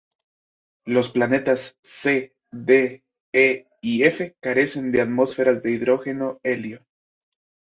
Los planetas c, d, e y f carecen de atmósferas de hidrógeno-helio.